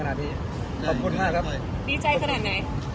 คุณอยู่ในโรงพยาบาลนะ